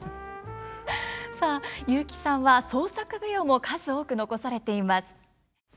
さあ雄輝さんは創作舞踊も数多く残されています。